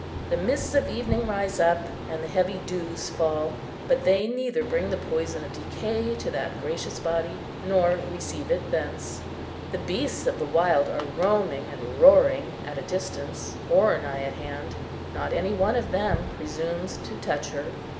The mists of evening rise up, and the heavy dews fall, but they neither bring the poison of decay to that gracious body, nor receive it thence. The beasts of the wild are roaming and roaring at a distance, or nigh at hand: not any one of them presumes to touch her.